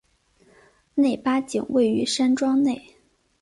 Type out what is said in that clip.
内八景位于山庄内。